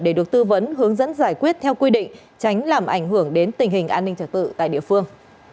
để được tư vấn hướng dẫn giải quyết theo quy định tránh làm ảnh hưởng đến tình hình an ninh trật tự tại địa phương